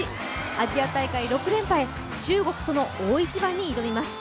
アジア大会６連覇へ、中国との大一番に挑みます。